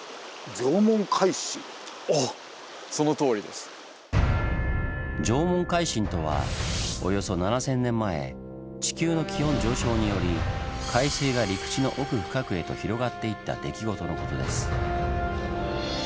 縄文海進とはおよそ７，０００年前地球の気温上昇により海水が陸地の奥深くへと広がっていった出来事のことです。